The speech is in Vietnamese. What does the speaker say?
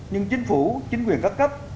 nhưng chính phủ chính quyền các cấp